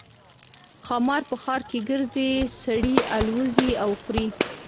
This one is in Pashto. ښامار په ښار کې ګرځي سړي الوزوي او خوري.